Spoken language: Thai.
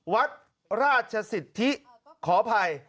วัดราชสิทธิขออภัย